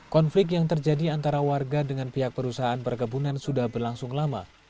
konflik yang terjadi antara warga dengan pihak perusahaan perkebunan sudah berlangsung lama